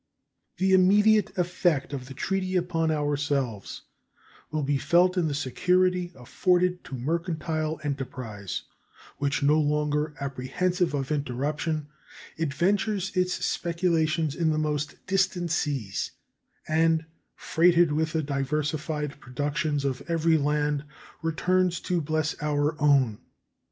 The immediate effect of the treaty upon ourselves will be felt in the security afforded to mercantile enterprise, which, no longer apprehensive of interruption, adventures its speculations in the most distant seas, and, freighted with the diversified productions of every land, returns to bless our own.